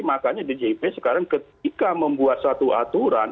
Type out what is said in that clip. makanya djp sekarang ketika membuat satu aturan